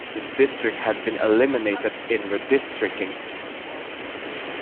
His district had been eliminated in redistricting.